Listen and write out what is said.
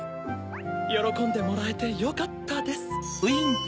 よろこんでもらえてよかったです！